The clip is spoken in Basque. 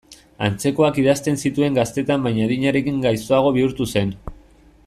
Antzekoak idazten zituen gaztetan baina adinarekin gaiztoago bihurtu zen.